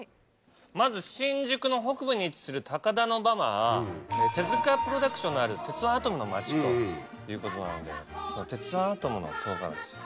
まず新宿の北部に位置する高田馬場は手塚プロダクションのある『鉄腕アトム』の町ということなので『鉄腕アトム』のとうがらし。